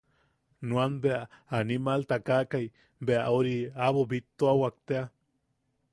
Nuan bea animal takakai bea ori... aʼabo bittuawak tea.